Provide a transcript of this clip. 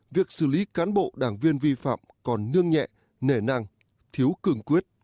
việc xử lý cán bộ đảng viên vi phạm còn nương nhẹ nể năng thiếu cường quyết